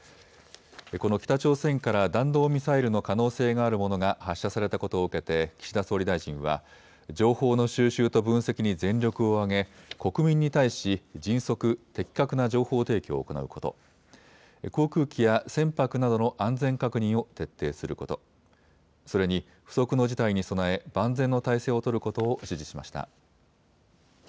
この北朝鮮から弾道ミサイルの可能性があるものが発射されたことを受けて岸田総理大臣は情報の収集と分析に全力を挙げ国民に対し迅速、的確な情報提供を行うこと、航空機やや船舶などの安全確認を徹底すること、それに不測の事態に備え万全の態勢を取ることを指示しました。